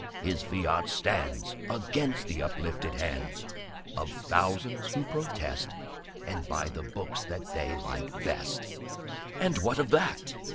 His fiat stands Against the uplifted hands Of thousands who protest And buy the books That they like best; But what of that?